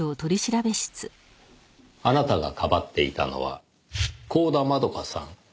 あなたがかばっていたのは光田窓夏さん。